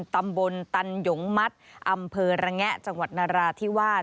ตำบลตันหยงมัดอำเภอระแงะจังหวัดนราธิวาส